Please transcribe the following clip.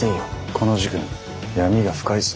この事件闇が深いぞ。